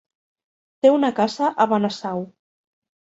Té una casa a Benasau.